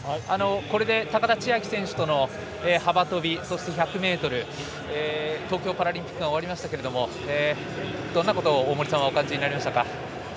これで、高田千明選手との幅跳びそして１００ｍ東京パラリンピックが終わりましたけどもどんなことを大森さんはお感じになりましたか？